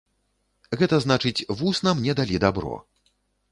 Гэта значыць, вусна мне далі дабро.